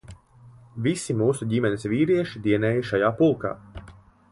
Visu mūsu ģimenes vīrieši dienēja šajā pulkā.